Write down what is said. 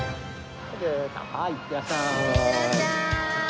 はーいいってらっしゃい。